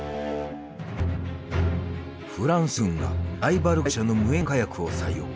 フランス軍がライバル会社の無煙火薬を採用。